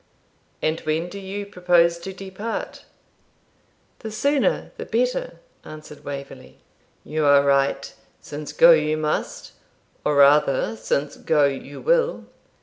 ] And when do you propose to depart?' 'The sooner the better,' answered Waverley. 'You are right, since go you must, or rather, since go you will.